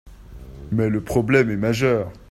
Mais le problème est majeur.